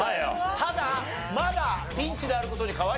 ただまだピンチである事に変わりはありません。